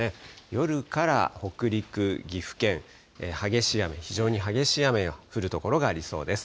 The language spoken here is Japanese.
夜から北陸、岐阜県、激しい雨、非常に激しい雨が降る所がありそうです。